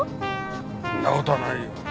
そんな事はないよ。